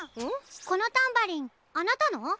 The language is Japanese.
このタンバリンあなたの？